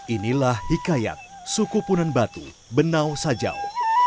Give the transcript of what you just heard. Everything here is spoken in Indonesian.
inilah hikayat suku punan batu benau sajau